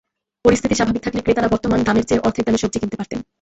পরিস্থিতি স্বাভাবিক থাকলে ক্রেতারা বর্তমান দামের চেয়ে অর্ধেক দামে সবজি কিনতে পারতেন।